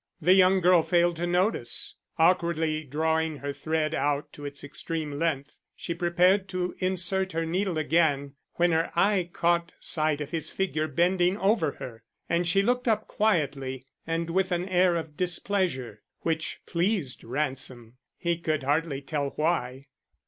The young girl failed to notice. Awkwardly drawing her thread out to its extreme length, she prepared to insert her needle again, when her eye caught sight of his figure bending over her, and she looked up quietly and with an air of displeasure, which pleased Ransom, he could hardly tell why.